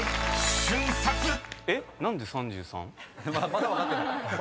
まだ分かってない。